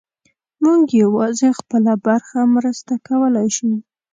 موږ یوازې خپله برخه مرسته کولی شو.